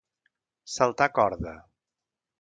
Saltar a corda.